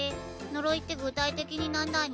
呪いって具体的になんだにゃ？